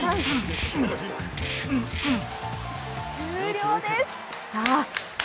終了です。